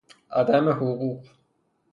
عدم حقوق